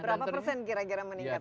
berapa persen kira kira meningkat